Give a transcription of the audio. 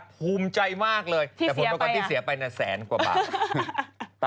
โหจะเพราคดี้เสียไปนะแสนกว่าบาท